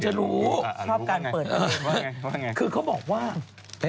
อ่านลูกว่าไงว่าไงคือเขาบอกว่าอ่านลูกว่าไง